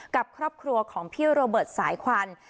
กับครอบครัวของพี่โรเบิร์ตสายควัน